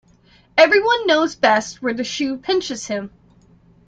Every one knows best where the shoe pinches him.